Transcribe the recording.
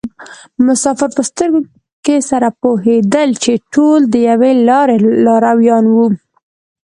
مسافر په سترګو کې سره پوهېدل چې ټول د یوې لارې لارویان وو.